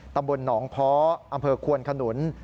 ตำบลหนองเพาะอำเภอควนขนุน